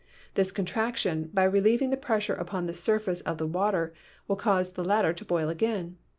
This contrac tion, by relieving the pressure upon the surface of the water, will cause the latter to boil again.